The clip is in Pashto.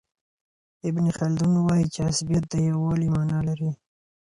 ابن خلدون وايي چي عصبیت د یووالي معنی لري.